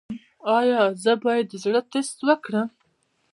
ایا زه باید د زړه ټسټ وکړم؟